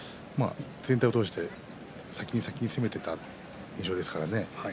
全体を通して先に先に攻めていった印象ですからね